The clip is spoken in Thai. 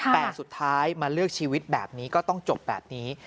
แต่สุดท้ายมาเลือกชีวิตแบบนี้ก็ต้องจบแบบนี้